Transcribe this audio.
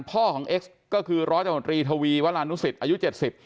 พ่อของเอ็กซก็คือร้อยสมตรีทวีวัลลานุศิษย์อายุเจ็ดสิบ